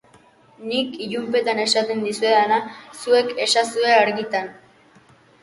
Nik ilunpetan esaten dizuedana, zuek esazue argitan.